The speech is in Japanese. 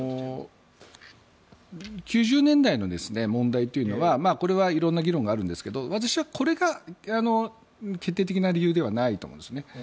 ９０年代の問題というのはこれは色んな議論があるんですが私はこれが決定的な理由ではないと思うんですね。